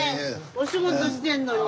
お仕事してんのに。